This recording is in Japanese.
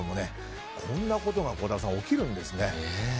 こんなことが孝太郎さん起きるんですね。